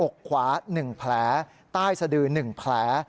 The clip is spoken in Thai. อกขวา๑แผลใต้สดือ๑แผล